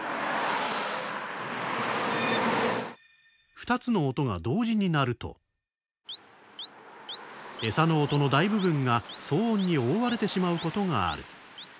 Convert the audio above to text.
２つの音が同時に鳴るとエサの音の大部分が騒音に覆われてしまうことがある。